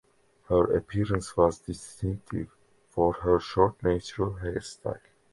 Her appearance was distinctive for her short natural hairstyle.